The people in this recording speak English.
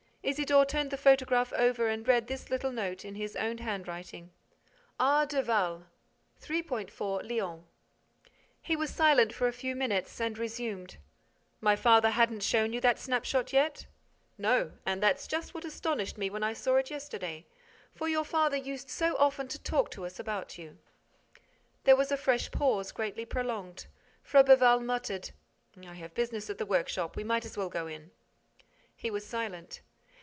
Isidore turned the photograph over and read this little note, in his own handwriting: "R. de Val.—3.4—Lion." He was silent for a few minutes and resumed: "My father hadn't shown you that snapshot yet?" "No—and that's just what astonished me when I saw it yesterday—for your father used so often to talk to us about you." There was a fresh pause, greatly prolonged. Froberval muttered: "I have business at the workshop. We might as well go in—" He was silent.